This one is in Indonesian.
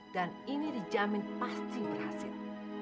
dan ini dijamin pasti berhasil